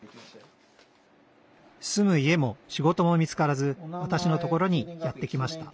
住む家も仕事も見つからずわたしのところにやって来ました